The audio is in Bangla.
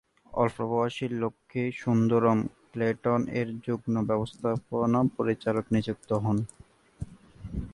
অল্প বয়সে লক্ষ্মী সুন্দরম ক্লেটন-এর যুগ্ম ব্যবস্থাপনা পরিচালক নিযুক্ত হন।